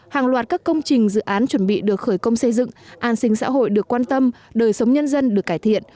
hàng loạt các công trình dự án chuẩn bị được khởi công xây dựng an sinh xã hội được quan tâm đời sống nhân dân được cải thiện